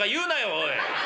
おい。